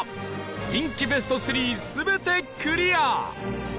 人気ベスト３全てクリア